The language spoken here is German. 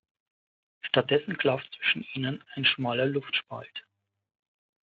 Stattdessen klafft zwischen ihnen ein schmaler Luftspalt.